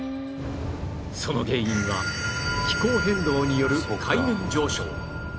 その原因は気候変動による海面上昇